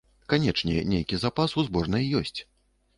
Канечне, нейкі запас у зборнай ёсць.